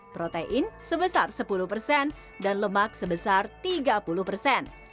protein sebesar sepuluh persen dan lemak sebesar tiga puluh persen